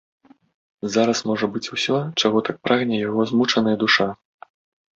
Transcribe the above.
Зараз можа быць усё, чаго так прагне яго змучаная душа.